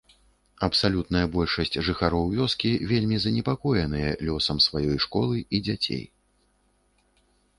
Абсалютная большасць жыхароў вёскі вельмі занепакоеныя лёсам сваёй школы і дзяцей.